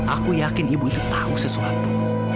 aku yakin ibu itu tahu sesuatu